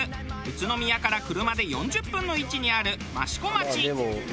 宇都宮から車で４０分の位置にある益子町。